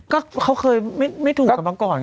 ก็เขาเคยไม่ถูกกับมาก่อน